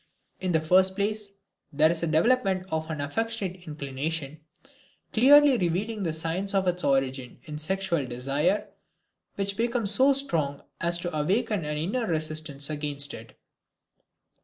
In the first place there is the development of an affectionate inclination, clearly revealing the signs of its origin in sexual desire which becomes so strong as to awaken an inner resistance against it.